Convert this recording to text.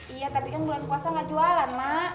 iya tapi kan bulan puasa ga jualan ma